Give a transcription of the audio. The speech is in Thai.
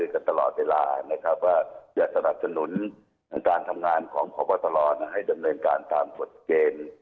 กันตลอดเวลานะครับว่าจะสนับสนุนการทำงานของพบตรให้ดำเนินการตามกฎเกณฑ์